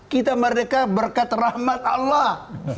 kita merdeka berkat rahmat allah